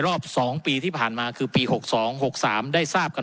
รอบสองปีที่ผ่านมาคือปีหกสองหกสามได้ทราบกัน